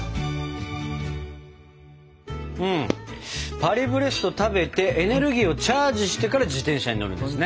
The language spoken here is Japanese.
パリブレスト食べてエネルギーをチャージしてから自転車に乗るんですね。